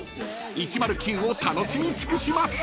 ［１０９を楽しみ尽くします！］